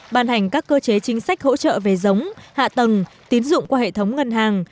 ban hành các cơ chế chính sách hỗ trợ về giống hạ tầng tín dụng qua hệ thống ngân hàng